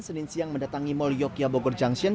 senin siang mendatangi mall yogyabogor junction